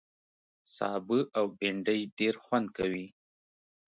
سابه او بېنډۍ ډېر خوند کوي